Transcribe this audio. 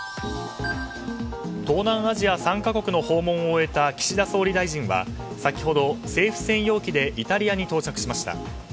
東南アジア３か国の訪問を終えた岸田総理大臣は先ほど、政府専用機でイタリアに到着しました。